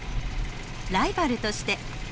ライバルとして。